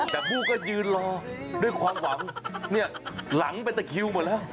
แต่บู้ก็ยืนรอด้วยความหวังเนี่ยหลังเป็นตะคิวหมดแล้ว